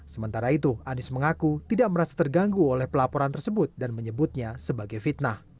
sementara itu anies mengaku tidak merasa terganggu oleh pelaporan tersebut dan menyebutnya sebagai fitnah